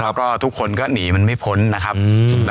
แล้วก็ทุกคนก็หนีมันไม่พ้นนะครับ